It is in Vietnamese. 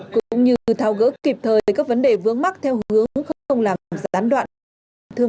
cũng như thao gỡ kịp thời các vấn đề vướng mắt theo hướng không làm gián đoạn